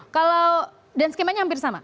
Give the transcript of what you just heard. kalau dan skemanya hampir sama